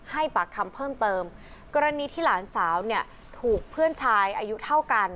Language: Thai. ให้ปากคำเพิ่มเติมกรณีที่หลานสาวเนี่ยถูกเพื่อนชายอายุเท่ากัน